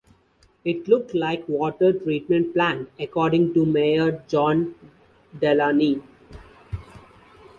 It looked like a water treatment plant, according to Mayor John Delaney.